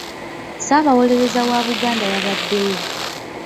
Ssaabawolereza wa Buganda yabadeyo.